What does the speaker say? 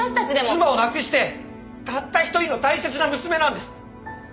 妻を亡くしてたった一人の大切な娘なんです！